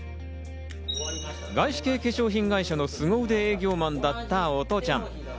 外資系化粧品会社のスゴ腕営業マンだったお父ちゃん。